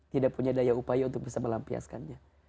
tidak punya daya upaya untuk bisa melampiaskannya